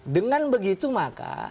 dengan begitu maka